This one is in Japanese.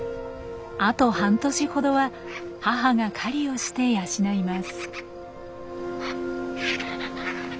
あと半年ほどは母が狩りをして養います。